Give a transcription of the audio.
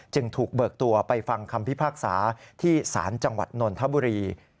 จึงถูกเบิกตัวไปฟังคำพิพากษาที่ศาลจังหวัดนนทบุรี